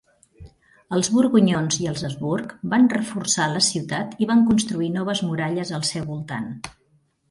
Els borgonyons i els Habsburg van reforçar la ciutat i van construir noves muralles al seu voltant.